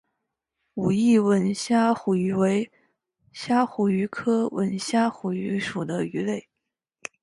武义吻虾虎鱼为虾虎鱼科吻虾虎鱼属的鱼类。